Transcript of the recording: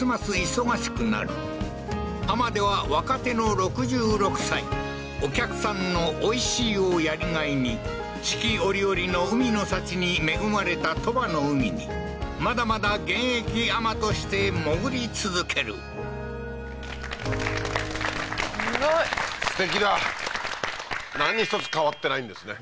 忙しくなる海女では若手の６６歳お客さんのおいしいをやりがいに四季折々の海の幸に恵まれた鳥羽の海にまだまだ現役海女として潜り続けるすごいすてきだ何一つ変わってないんですね